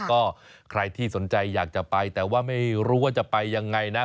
ก็ใครที่สนใจอยากจะไปแต่ว่าไม่รู้ว่าจะไปยังไงนะ